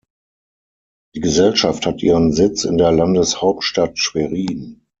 Die Gesellschaft hat ihren Sitz in der Landeshauptstadt Schwerin.